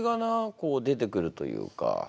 こう出てくるというか。